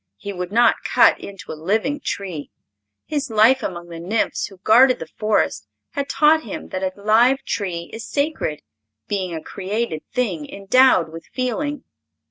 He would not cut into a living tree. His life among the nymphs who guarded the Forest had taught him that a live tree is sacred, being a created thing endowed with feeling.